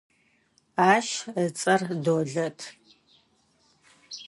Ащ ыцӏэр Долэт.